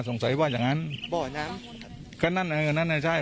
สงสัยว่าอย่างงั้นบ่อน้ำก็นั่นเออนั่นน่ะใช่